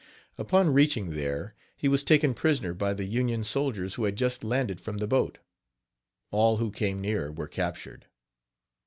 Upon reaching there, he was taken prisoner by the Union soldiers, who had just landed from the boat. All who came near were captured.